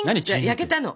焼けたの。